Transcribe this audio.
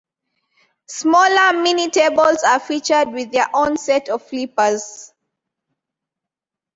Smaller "mini-tables" are featured with their own set of flippers.